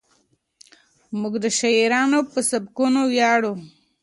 موږ د شاعرانو په سبکونو ویاړو.